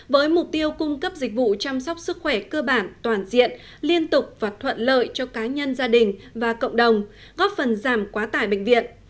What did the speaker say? với mục tiêu cung cấp dịch vụ chăm sóc sức khỏe cơ bản toàn diện liên tục và thuận lợi cho cá nhân gia đình và cộng đồng góp phần giảm quá tải bệnh viện